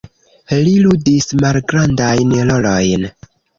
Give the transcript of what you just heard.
Li ludis malgrandajn rolojn.